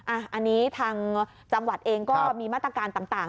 อันนี้ทางจังหวัดเองก็มีมาตรการต่าง